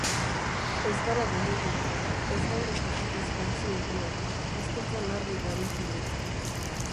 Ez gara gehiegi, ez gaude jakitez jantziegiak, hizkuntza larri dabilkigu.